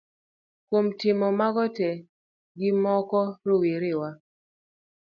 Kuom timo mago tee gi moko, rowere wa